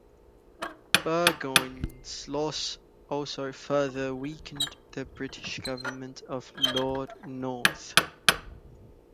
Burgoyne's loss also further weakened the British government of Lord North.